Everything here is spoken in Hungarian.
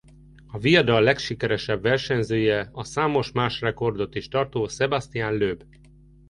A viadal legsikeresebb versenyzője a számos más rekordot is tartó Sébastien Loeb.